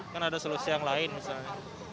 kan ada solusi yang lain misalnya